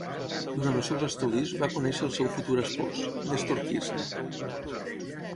Durant els seus estudis, va conèixer al seu futur espòs, Néstor Kirchner.